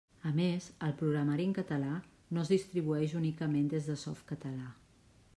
A més, el programari en català no es distribueix únicament des de Softcatalà.